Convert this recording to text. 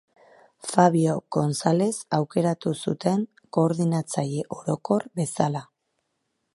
Fabio Gonzalez aukeratu zuten Koordinatzaile Orokor bezala.